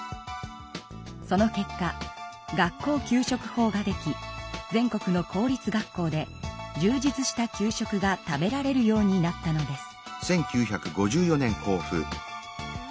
その結果学校給食法ができ全国の公立学校でじゅう実した給食が食べられるようになったのです。